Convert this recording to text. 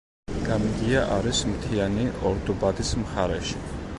გამიგია არის მთიანი ორდუბადის მხარეში.